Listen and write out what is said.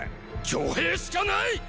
挙兵しかない！！